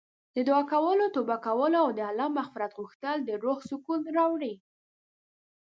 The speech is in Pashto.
د دعا کولو، توبه کولو او د الله مغفرت غوښتل د روح سکون راوړي.